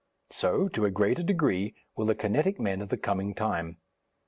So, to a greater degree, will the kinetic men of the coming time.